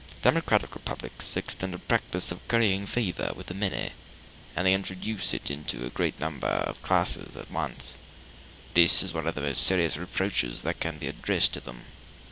Democratic republics extend the practice of currying favor with the many, and they introduce it into a greater number of classes at once: this is one of the most serious reproaches that can be addressed to them.